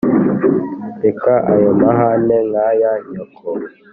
Reka ayo mahane nka ya nyoko